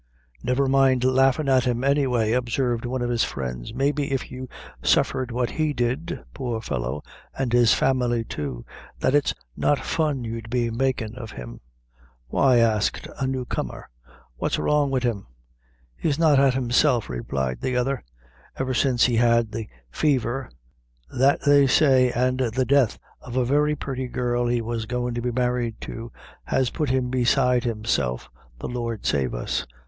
"Never mind laughin' at him, anyway," observed one of his friends; "maybe if you suffered what he did, poor fellow, an' his family too, that it's not fun you'd be makin' of him." "Why," asked a new comer; "what's wrong wid him?" "He's not at himself," replied the other, "ever since he had the faver; that, they say, an' the death of a very purty girl he was goin' to be married to, has put him beside himself, the Lord save us!"